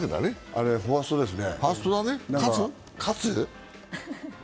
あれはファーストですね。